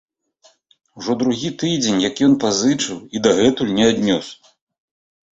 Ужо другі тыдзень, як ён пазычыў і дагэтуль не аднёс.